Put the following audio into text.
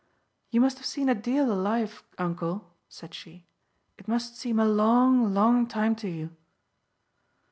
"You must have seen a deal o' life, uncle," said she. "It must seem a long, long time to you!"